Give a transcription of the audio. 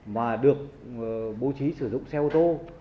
mà được bố trí sử dụng xe ô tô